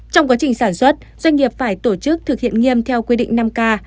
trong quá trình sản xuất doanh nghiệp phải tổ chức thực hiện nghiêm theo quy định năm k